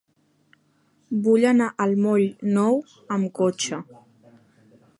Vull anar al moll Nou amb cotxe.